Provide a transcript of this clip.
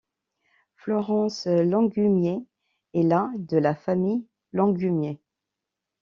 Florence Langumier est la de la famille Langumier.